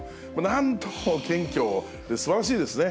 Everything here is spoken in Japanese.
なんとも謙虚、すばらしいですね。